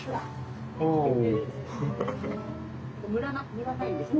ムラないんですね。